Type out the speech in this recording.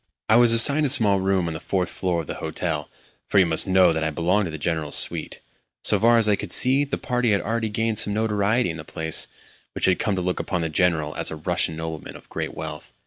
I was assigned a small room on the fourth floor of the hotel (for you must know that I belonged to the General's suite). So far as I could see, the party had already gained some notoriety in the place, which had come to look upon the General as a Russian nobleman of great wealth.